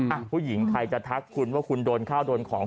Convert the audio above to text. ผู้หญิงใครจะทักคุณว่าคุณโดนข้าวโดนของ